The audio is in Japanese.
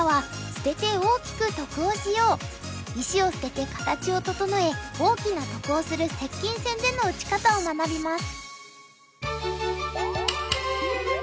石を捨てて形を整え大きな得をする接近戦での打ち方を学びます。